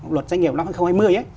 luật doanh nghiệp năm hai nghìn hai mươi